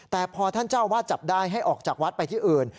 แต่พอท่านเจ้าวาดจับได้ให้ออกจากวัดไปที่อื่น